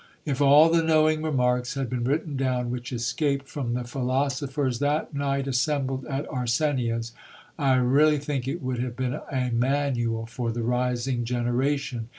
If all the knowing remarks had been written down, which escaped from the philosophers that night assembled at Arsenia's, I really think it would have been a manual for the rising generation.